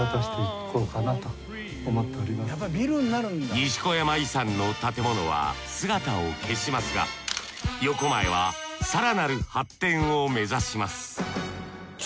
西小山遺産の建物は姿を消しますがヨコマエは更なる発展を目指します